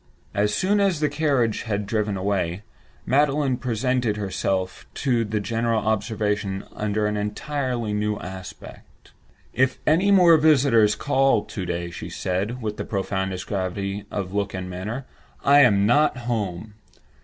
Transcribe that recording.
As soon as the carriage had driven away, Magdalen presented herself to the general observation under an entirely new aspect. "If any more visitors call to day," she said, with the profoundest gravity of look and manner, "I am not at home.